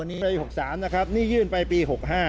นี่ปี๖๓นะครับนี่ยื่นไปปี๖๕